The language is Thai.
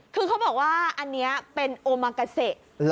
คือเขาบอกว่าอันนี้เป็นโอมากาเซ